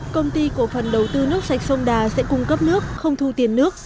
công ty cổ phần đầu tư nước sạch sông đà sẽ cung cấp nước không thu tiền nước